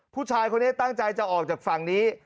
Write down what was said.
ผู้ชายคนนี้ตั้งใจจะออกจากฝั่งนี้